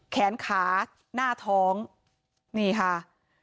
แขนขาหน้าท้องนี่ค่ะ